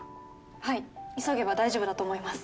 はい急げば大丈夫だと思います